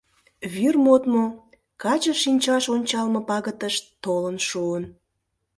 Вӱр модмо, каче шинчаш ончалме пагытышт толын шуын...